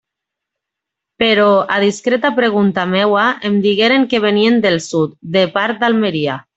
Però, a discreta pregunta meua, em digueren que venien del sud, de part d'Almeria.